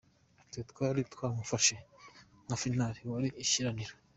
Twe twari twawufashe nka ‘final’, wari ishiraniro.